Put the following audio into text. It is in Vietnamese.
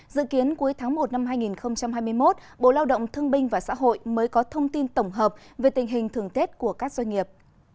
dự kiến cuối tháng một năm hai nghìn hai mươi một bộ lao động thương binh và xã hội mới có thông tin tổng hợp về tình hình thường tết của các doanh nghiệp